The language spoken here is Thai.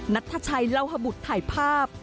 นัทชัยเล่าฮบุตรถ่ายภาพ